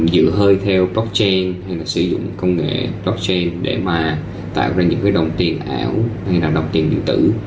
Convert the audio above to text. giữ hơi theo blockchain hay là sử dụng công nghệ blockchain để mà tạo ra những cái đồng tiền ảo hay là đồng tiền điện tử